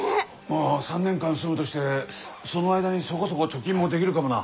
まあ３年間住むとしてその間にそこそこ貯金もできるかもな。